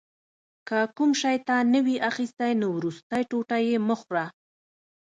که کوم شی تا نه وي اخیستی نو وروستی ټوټه یې مه خوره.